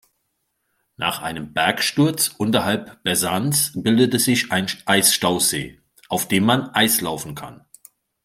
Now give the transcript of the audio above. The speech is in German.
Nach einem Bergsturz unterhalb Bessans bildete sich ein Eisstausee, auf dem man Eislaufen kann.